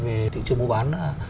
về thị trường mua bán